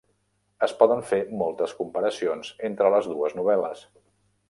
Es poden fer moltes comparacions entre les dues novel·les.